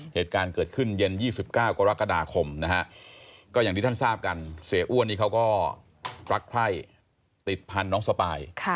เหตุการณ์เกิดขึ้นเย็น๒๙กรกฎาคมนะฮะก็อย่างที่ท่านทราบกันเสียอ้วนนี่เขาก็รักใคร่ติดพันธุ์น้องสปาย